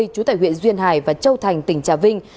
trú tại huyện duyên hải và châu thành tỉnh trà vinh